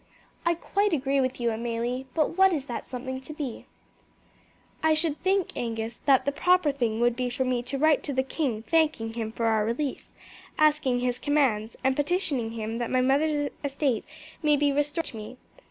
"I quite agree with you, Amelie; but what is that something to be?" "I should think, Angus, that the proper thing would be for me to write to the king thanking him for our release, asking his commands, and petitioning him that my mother's estates may be restored to me.